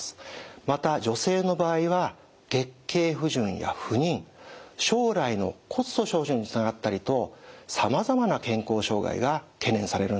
また女性の場合は月経不順や不妊将来の骨粗しょう症につながったりとさまざまな健康障害が懸念されるんです。